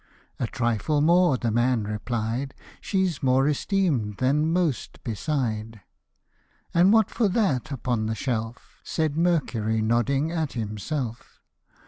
" A trifle more," the man replied ;" She's more esteem'd than most beside :"" And \\ hat for that upon the shelf ?" Said Mercury, nodding at himself.